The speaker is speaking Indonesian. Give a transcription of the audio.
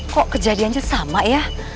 kok kejadiannya sama ya